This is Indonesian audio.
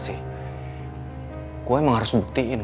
saya harus membuktikan